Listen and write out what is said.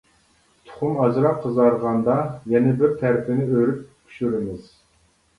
تۇخۇم ئازراق قىزارغاندا يەنە بىر تەرىپىنى ئۆرۈپ پىشۇرىمىز.